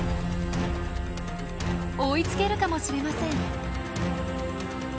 追いつけるかもしれません。